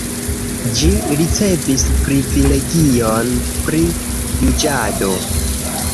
Ĝi ricevis privilegion pri juĝado.